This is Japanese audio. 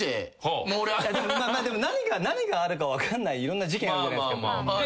でも何があるか分かんないいろんな事件あるじゃないですか。